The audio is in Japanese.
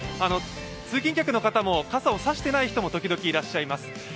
通勤客の方も傘を差していない人も時々いらっしゃいます。